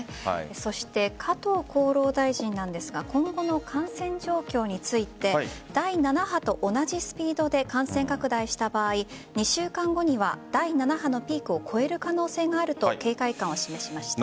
そして加藤厚労大臣なんですが今後の感染状況について第７波と同じスピードで感染拡大した場合２週間後には第７波のピークを越える可能性があると警戒感を示しました。